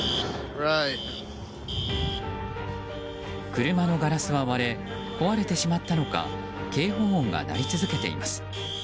車のガラスは割れ壊れてしまったのか警報音が鳴り続けています。